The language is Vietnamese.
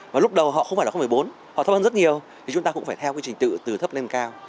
và lúc đầu họ không phải là bốn họ thấp hơn rất nhiều thì chúng ta cũng phải theo cái trình tự từ thấp lên cao